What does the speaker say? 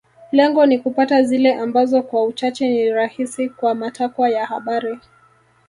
Lengo ni kupata zile ambazo kwa uchache ni rahisi kwa matakwa ya habari